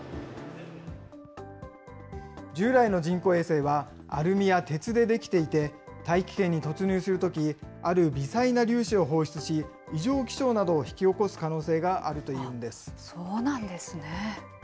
従来の人工衛星は、アルミや鉄で出来ていて、大気圏に突入するとき、ある微細な粒子を放出し、異常気象などを引き起こす可能性があるというんです。